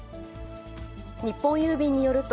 日本郵便によると、